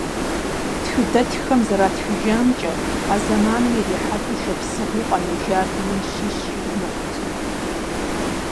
Тхыдэтххэм зэратхыжамкӀэ, а зэманым ирихьэлӀэу шапсыгъыу къэнэжар мин щищ иримыкъут.